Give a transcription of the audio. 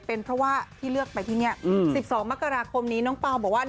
เป็นเพราะว่าที่เลือกไปที่เนี้ยอืมสิบสองมกราคมนี้น้องเปาบอกว่า